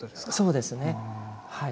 そうですねはい。